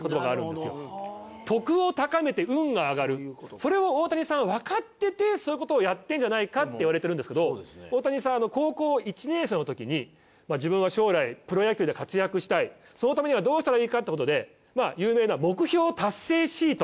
それを大谷さんはわかっててそういうことをやっているんじゃないかっていわれてるんですけど大谷さん高校１年生のときに自分は将来プロ野球で活躍したいそのためにはどうしたらいいかっていうことで有名な目標達成シート。